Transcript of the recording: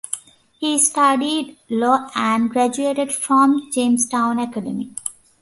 He studied law and graduated from Jamestown Academy.